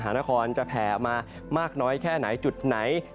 นครจะแผ่ออกมามากน้อยแค่ไหนจุดไหน